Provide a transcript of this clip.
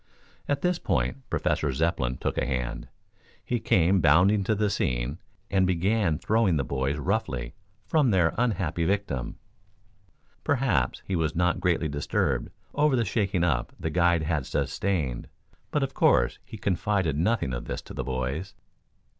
At this point Professor Zepplin took a hand. He came bounding to the scene and began throwing the boys roughly from their unhappy victim. Perhaps he was not greatly disturbed over the shaking up the guide had sustained, but of course he confided nothing of this to the boys.